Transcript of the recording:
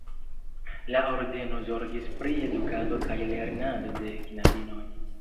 La ordeno zorgis pri edukado kaj lernado de knabinoj.